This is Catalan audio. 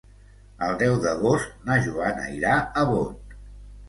El deu d'agost na Joana irà a Bot.